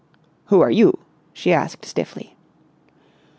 "Who are you?" she asked stiffly.